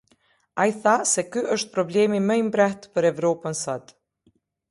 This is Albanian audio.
Ai tha se ky është problemi më i mprehtë për Evropën sot.